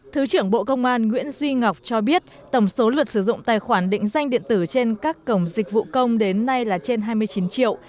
thứ trưởng bộ công an nguyễn duy ngọc cho biết tổng số lượt sử dụng tài khoản định danh điện tử trên các cổng dịch vụ công đến nay là trên hai mươi chín triệu